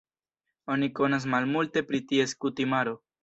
Oni konas malmulte pri ties kutimaro.